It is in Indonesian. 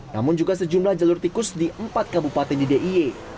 namun juga sejumlah jalur tikus di empat kabupaten di d i e